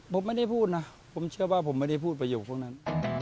ผมไม่ได้พูดนะผมเชื่อว่าผมไม่ได้พูดประโยคพวกนั้น